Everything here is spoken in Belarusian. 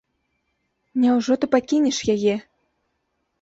Няўжо ты пакінеш яе?